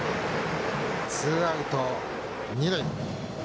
ツーアウト、二塁。